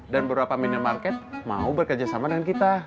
dan beberapa minimarket mau bekerja sama dengan kita